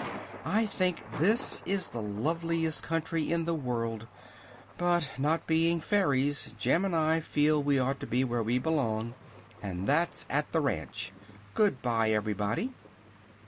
I think this is the loveliest country in the world; but not being fairies Jim and I feel we ought to be where we belong and that's at the ranch. Good bye, everybody!"